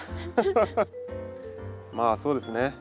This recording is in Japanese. まあそうですね。